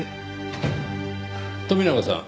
富永さん